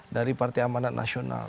dari partai amanat nasional